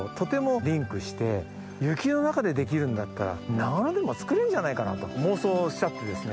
雪の中でできるんだったら長野でも作れるんじゃないかなと妄想しちゃってですね。